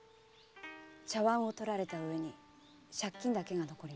茶碗を取られたうえに借金だけが残ります。